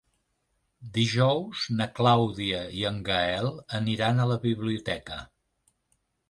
Dijous na Clàudia i en Gaël aniran a la biblioteca.